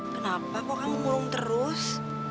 kenapa kok kamu ngurung terus